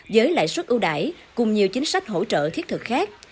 với lãi suất ưu đại cùng nhiều chính sách hỗ trợ thiết thực khác